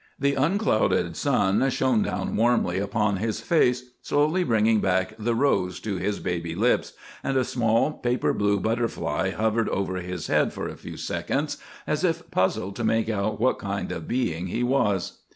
The unclouded sun shone down warmly upon his face, slowly bringing back the rose to his baby lips, and a small, paper blue butterfly hovered over his head for a few seconds, as if puzzled to make out what kind of being he was.